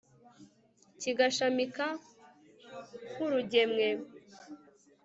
kigashamika nk'urugemwe